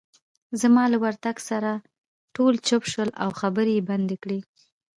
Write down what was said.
زما له ورتګ سره ټول چوپ شول، او خبرې يې بندې کړې.